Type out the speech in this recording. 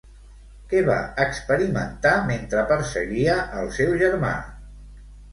Què va experimentar mentre perseguia el seu germà?